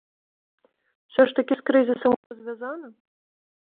Усё ж такі з крызісам гэта звязана?